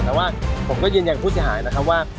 แต่ว่าผมก็ยืนยันผู้เสียหายนะครับว่า